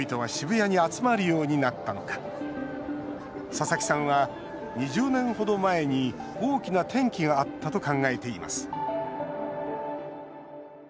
佐々木さんは、２０年程前に大きな転機があったと考えています。